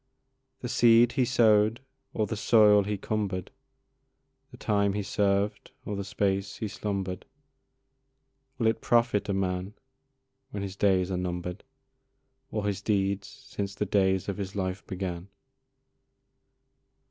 The seed he sow'd or the soil he cumber'd, The time he served or the space he slumber'd, Will it profit a man when his days are number'd, Or his deeds since the days of his life began?